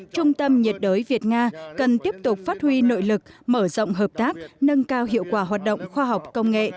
trung tâm nhiệt đới việt nga cần tiếp tục phát huy nội lực mở rộng hợp tác nâng cao hiệu quả hoạt động khoa học công nghệ